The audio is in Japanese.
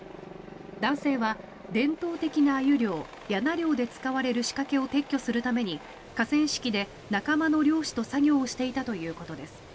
男性は伝統的なアユ漁、やな漁で使われる仕掛けを撤去するために河川敷で仲間の漁師と作業をしていたということです。